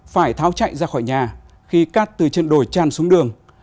phải tháo chạy ra khỏi nhà khi cát từ trên đồi chan xuống đường